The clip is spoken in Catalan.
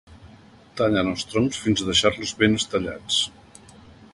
Tallen els troncs fins deixar-los ben estellats.